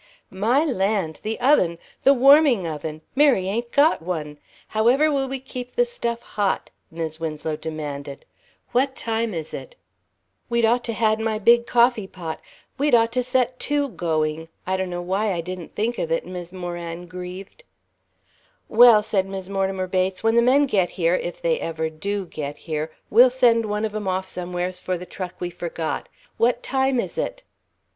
"My land, the oven the warming oven. Mary ain't got one. However will we keep the stuff hot?" Mis' Winslow demanded. "What time is it?" "We'd ought to had my big coffee pot. We'd ought to set two going. I donno why I didn't think of it," Mis' Moran grieved. "Well," said Mis' Mortimer Bates, "when the men get here if they ever do get here we'll send one of 'em off somewheres for the truck we forgot. What time is it?"